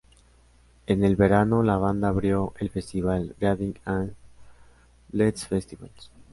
En el verano la banda abrió el festival Reading and Leeds Festivals.